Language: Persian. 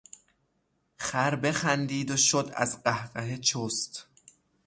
خر بخندید و شد از قهقهه چست